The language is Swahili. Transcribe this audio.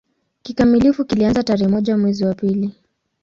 Kikamilifu kilianza tarehe moja mwezi wa pili